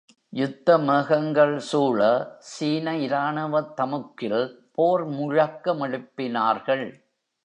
யுத்த மேகங்கள் சூழ சீன இராணுவ தமுக்கில் போர் முழக்க மெழுப்பினார்கள்.